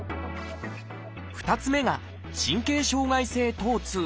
２つ目が「神経障害性疼痛」。